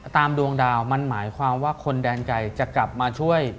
ดวงดาวมันหมายความว่าคนแดนไก่จะกลับมาช่วย